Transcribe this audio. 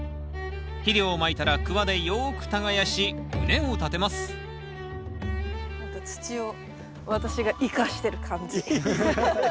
肥料をまいたらクワでよく耕し畝を立てます何か土を私が生かしてる感じ。